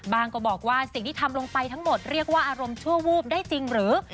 ก็บอกว่าสิ่งที่ทำลงไปทั้งหมดเรียกว่าอารมณ์ชั่ววูบได้จริงหรือ